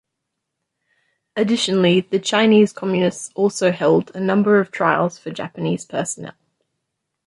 Additionally, the Chinese Communists also held a number of trials for Japanese personnel.